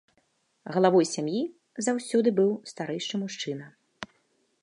Главой сям'і заўсёды быў старэйшы мужчына.